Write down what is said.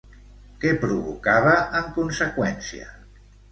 Què provocava en conseqüència?